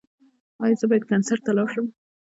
ایا زه باید کنسرت ته لاړ شم؟